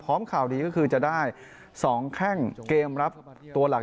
ข่าวดีก็คือจะได้๒แข้งเกมรับตัวหลัก